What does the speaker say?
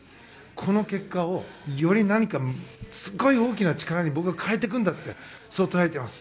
この結果をより何かすっごい大きな力に僕は変えていくんだってそう捉えています。